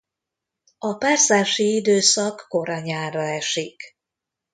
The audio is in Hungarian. A párzási időszak kora nyárra esik.